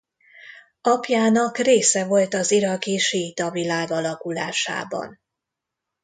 Apjának része volt az iraki síita világ alakulásában.